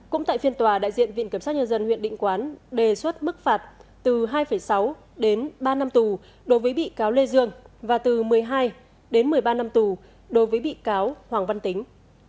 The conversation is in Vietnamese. cũng tại phiên tòa đại diện viện kiểm sát nhân dân huyện định quán đề xuất mức phạt từ hai sáu đến ba năm tù đối với bị cáo lê dương và từ một mươi hai đến một mươi ba năm tù đối với bị cáo hoàng văn tính